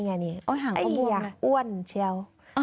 หางเขาบวมเลยไอ้อย่างอ้วนเชียว